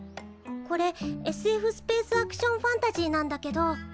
これＳＦスペースアクションファンタジーなんだけど。